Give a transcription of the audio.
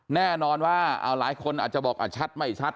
แน่นอนว่าเอาหลายคนอาจจะบอกชัดไม่ชัด